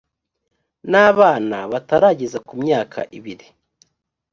n abana batarageza ku myaka ibiri